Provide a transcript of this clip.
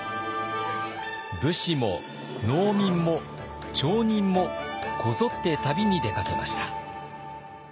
武士も農民も町人もこぞって旅に出かけました。